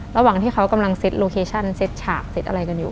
ระหว่างที่เขากำลังเซ็ตโลเคชั่นเซ็ตฉากเซ็ตอะไรกันอยู่